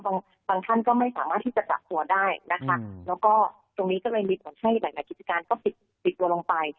บางบางท่านก็ไม่สามารถที่จะกักตัวได้นะคะแล้วก็ตรงนี้ก็เลยมีผลให้หลายหลายกิจการก็ปิดปิดตัวลงไป